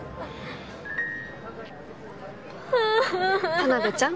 田辺ちゃん